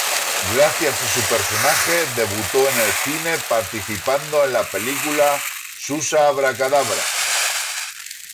Gracias a su personaje, debutó en el cine, participando en la película "Xuxa Abracadabra".